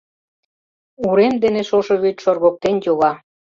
Урем дене шошо вӱд шоргыктен йога.